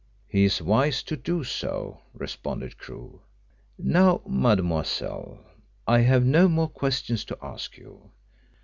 "He is wise to do so," responded Crewe. "Now, mademoiselle, I have no more questions to ask you.